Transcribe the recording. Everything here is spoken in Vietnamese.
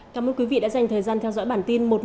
cảm ơn quý vị đã dành thời gian theo dõi bản tin